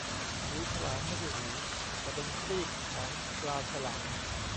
หูฉลาม ไม่ใช่หู แต่เป็นครีบของปลาฉลาม